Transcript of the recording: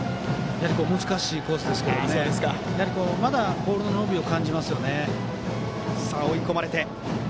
難しいコースですけれどもまだボールの伸びを感じますね。